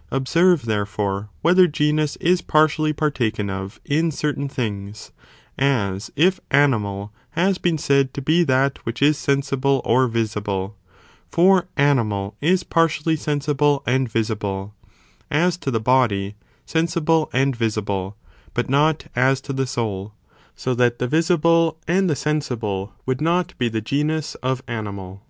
""" Observe, therefore, whether genus is partially partaken of in certain things, as if animal has been said to be that which is sensible or visible, for animal is partially sensible and visible ; as to the body, sensible and visible, but not as to the soul; so that the visible and the sensible would not be the genus of animal.